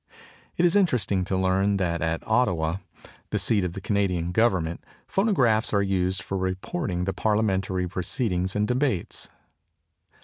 It is interesting to learn that at Ottawa, the seat of the Canadian Government, phonographs are used for reporting the parliamentary proceedings and debates.